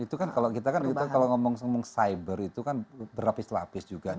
itu kan kalau kita kan kita kalau ngomong ngomong cyber itu kan berlapis lapis juga